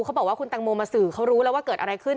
เขาบอกว่าคุณตังโมมาสื่อเขารู้แล้วว่าเกิดอะไรขึ้น